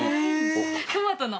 トマトの？